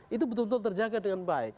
itu betul betul terjaga dengan baik